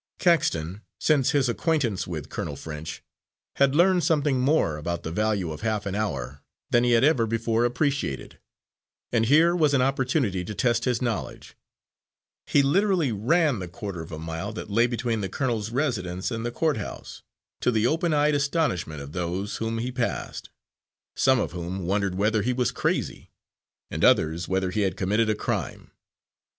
Caxton, since his acquaintance with Colonel French, had learned something more about the value of half an hour than he had ever before appreciated, and here was an opportunity to test his knowledge. He literally ran the quarter of a mile that lay between the colonel's residence and the court house, to the open eyed astonishment of those whom he passed, some of whom wondered whether he were crazy, and others whether he had committed a crime.